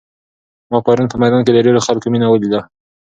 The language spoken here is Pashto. ما پرون په میدان کې د ډېرو خلکو مینه ولیده.